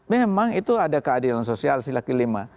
memang itu ada keadilan sosial sila kelima